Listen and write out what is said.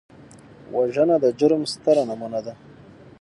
وژنه د جرم ستره نمونه ده